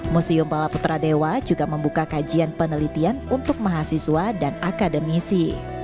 museum bala putra dewa juga membuka kajian penelitian untuk mahasiswa dan akademisi